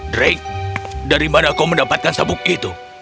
drake darimana kau mendapatkan sabuk itu